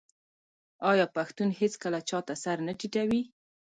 آیا پښتون هیڅکله چا ته سر نه ټیټوي؟